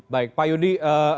baik pak yudi